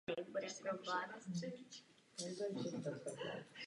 Na zádi byly instalovány dvě skluzavky hlubinných pum.